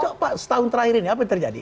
kok setahun terakhir ini apa yang terjadi